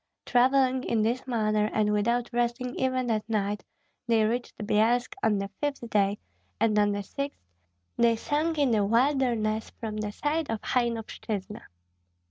Travelling in this manner and without resting even at night, they reached Byelsk on the fifth day, and on the sixth they sank in the wilderness from the side of Hainovshyna.